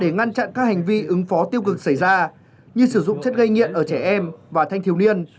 để ngăn chặn các hành vi ứng phó tiêu cực xảy ra như sử dụng chất gây nghiện ở trẻ em và thanh thiếu niên